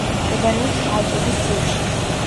მდებარეობს ალპების ძირში.